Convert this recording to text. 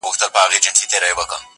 حالات چي سوزوي، ستا په لمن کي جانانه_